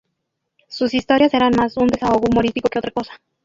Sus historias eran más un desahogo humorístico que otra cosa.